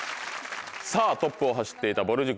さぁトップを走っていたぼる塾。